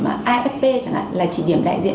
afp chẳng hạn là chỉ điểm đại diện